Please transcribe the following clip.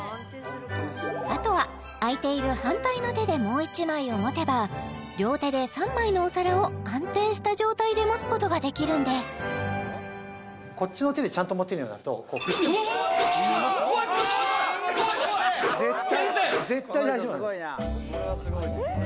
あとは空いている反対の手でもう１枚を持てば両手で３枚のお皿を安定した状態で持つことができるんですうわうわうわ怖い怖い怖い怖い怖い怖い先生！